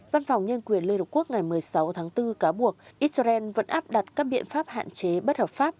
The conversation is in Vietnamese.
văn phòng nhân quyền liên hợp quốc ngày một mươi sáu tháng bốn cáo buộc israel vẫn áp đặt các biện pháp hạn chế bất hợp pháp